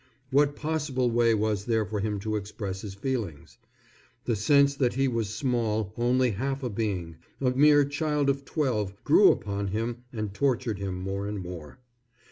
What possible way was there for him to express his feelings? The sense that he was small, only half a being, a mere child of twelve, grew upon him and tortured him more and more.